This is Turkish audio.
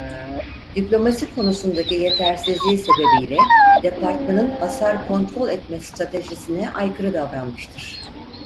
Diplomasi konusundaki yetersizliği sebebiyle departmanın hasar kontrol etme stratejisine aykırı davranmıştır.